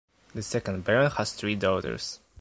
The second baron has three daughters.